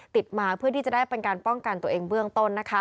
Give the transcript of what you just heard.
ติดมาเพื่อที่จะได้เป็นการป้องกันตัวเองเบื้องต้น